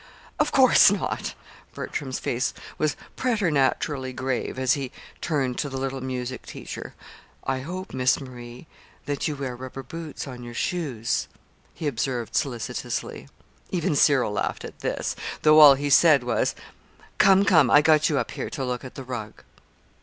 "Of course not!" Bertram's face was preternaturally grave as he turned to the little music teacher. "I hope, Miss Marie, that you wear rubber heels on your shoes," he observed solicitously. Even Cyril laughed at this, though all he said was: "Come, come, I got you up here to look at the rug."